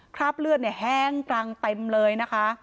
คราบเลือดเนี่ยแห้งกลางเต็มเลยนะคะ